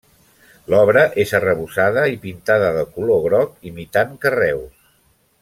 L'obra és arrebossada i pintada de color groc imitant carreus.